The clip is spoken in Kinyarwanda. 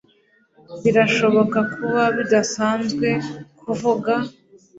birashobora kuba bidasanzwe kuvuga